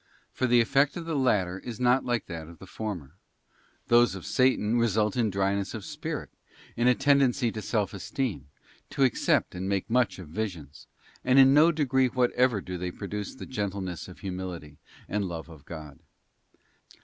For the effect of the latter is not like that of the former: those of Satan result in dryness of spirit, in a tendency to self esteem, to accept and make much of visions: and in no degree whatever do they produce the gentleness of humility, and love of God.